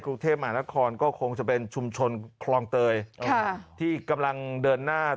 กรุงเทพมหานครก็คงจะเป็นชุมชนคลองเตยที่กำลังเดินหน้า